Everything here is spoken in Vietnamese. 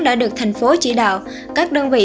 đã được thành phố chỉ đạo các đơn vị